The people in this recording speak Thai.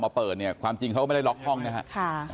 เปิดเนี่ยความจริงเขาก็ไม่ได้ล็อกห้องนะครับ